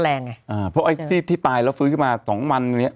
แรงไงอ่าเพราะไอ้ที่ที่ตายแล้วฟื้นขึ้นมาสองวันอย่างเงี้